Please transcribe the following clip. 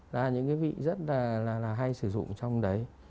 là những cái vị rất là hay sử dụng trong đấy